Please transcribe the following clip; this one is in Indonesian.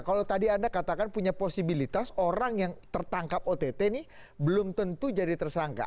kalau tadi anda katakan punya posibilitas orang yang tertangkap ott ini belum tentu jadi tersangka